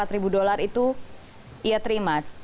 delapan puluh empat ribu dolar itu ia terima